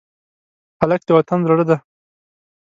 هلک د وطن زړه دی.